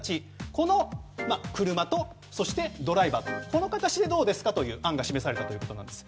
この車と、そしてドライバーこの形でどうですかという案が示されたということです。